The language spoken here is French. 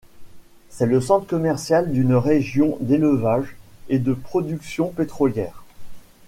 C'est le centre commercial d'une région d'élevage et de production pétrolière.